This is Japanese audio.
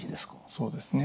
そうですね。